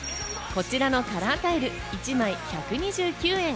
こちらのカラータイル、一枚１２９円。